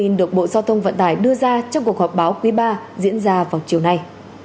thông tin được bộ giao thông vận tải đưa ra trong cuộc họp báo quý ba diễn ra vào chiều nay